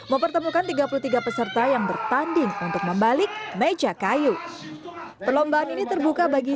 mempertemukan tiga puluh tiga peserta yang bertanding untuk membalik meja kayu perlombaan ini terbuka bagi